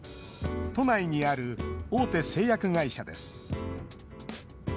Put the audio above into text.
都内にある大手製薬会社です。